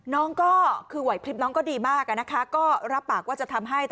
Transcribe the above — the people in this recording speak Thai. น้องก็คือไหวพลิบน้องก็ดีมากนะคะก็รับปากว่าจะทำให้